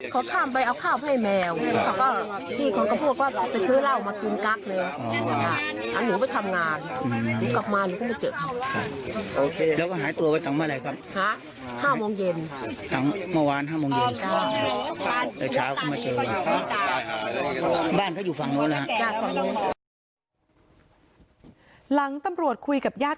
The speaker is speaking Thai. ขอข้ามไปเอาข้าวให้แมวแล้วก็ที่เขาก็พูดว่าไปซื้อเหล้ามากินกั๊กเลย